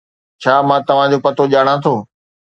ڇا مان توھان جو پتو ڄاڻان ٿو؟